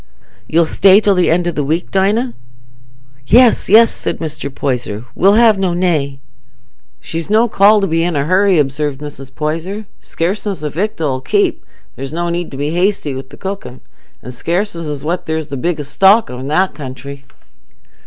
You'll stay till the end o' the week, Dinah?" "Yes, yes!" said Mr. Poyser. "We'll have no nay." "She's no call to be in a hurry," observed Mrs. Poyser. "Scarceness o' victual 'ull keep: there's no need to be hasty wi' the cooking. An' scarceness is what there's the biggest stock of i' that country."